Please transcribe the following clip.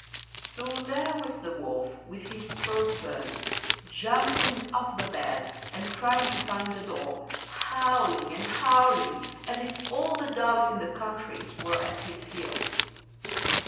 So there was the Wolf with his throat burnt, jumping off the bed and trying to find the door, howling and howling as if all the dogs in the country were at his heels.